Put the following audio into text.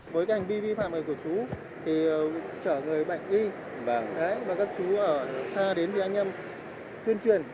với hành vi vi phạm này của chú chở người bệnh đi và các chú ở xa đến đi anh em tuyên truyền